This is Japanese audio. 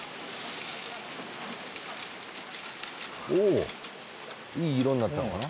おおいい色になったのかな